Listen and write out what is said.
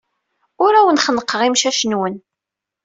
Ur awen-xennqeɣ imcac-nwen.